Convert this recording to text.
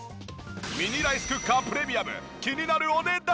ミニライスクッカープレミアム気になるお値段は？